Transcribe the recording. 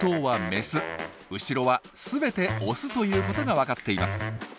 後ろは全てオスということが分かっています。